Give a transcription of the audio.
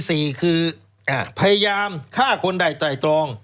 ข้อที่๔คือพยายามฆ่าคนใดใดตรอง